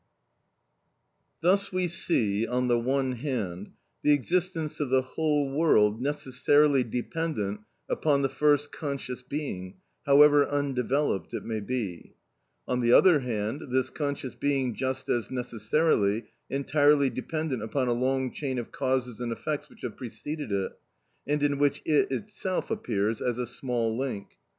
Thus we see, on the one hand, the existence of the whole world necessarily dependent upon the first conscious being, however undeveloped it may be; on the other hand, this conscious being just as necessarily entirely dependent upon a long chain of causes and effects which have preceded it, and in which it itself appears as a small link.